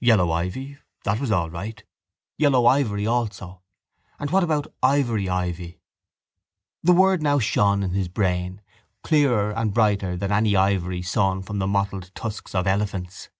Yellow ivy; that was all right. Yellow ivory also. And what about ivory ivy? The word now shone in his brain, clearer and brighter than any ivory sawn from the mottled tusks of elephants.